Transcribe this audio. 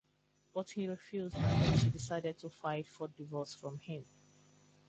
But he refused and then she decided to file for divorce from him.